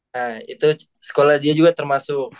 nah itu sekolah dia juga termasuk